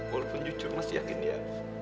walaupun jujur masih yakin dia